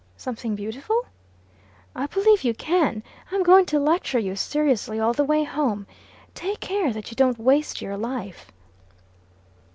"Something beautiful?" "I believe you can. I'm going to lecture you seriously all the way home. Take care that you don't waste your life."